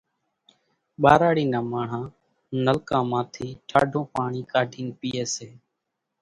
ٻاراڙِي نان ماڻۿان نلڪان مان ٿِي ٽاڍون پاڻِي ڪاڍينَ پيئيَ سي۔